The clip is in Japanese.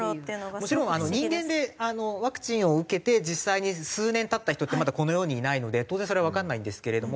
もちろん人間でワクチンを受けて実際に数年経った人ってまだこの世にいないので当然それはわからないんですけれども。